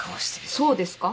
そうですか？